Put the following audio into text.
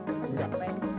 tidak baik sih